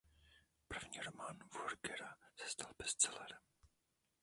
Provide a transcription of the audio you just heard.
První román Würgera se stal bestsellerem.